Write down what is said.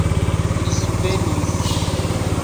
Li svenis.